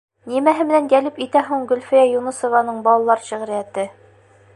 Нимәһе менән йәлеп итә һуң Гөлфиә Юнысованың балалар шиғриәте?